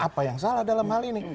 apa yang salah dalam hal ini